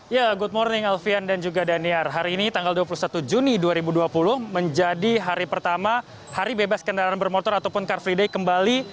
ya good morning alfian dan juga daniar hari ini tanggal dua puluh satu juni dua ribu dua puluh menjadi hari pertama hari bebas kendaraan bermotor ataupun car free day kembali